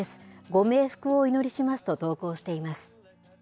ご冥福をお祈りしますと投稿しています。